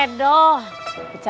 tidak ada apa apa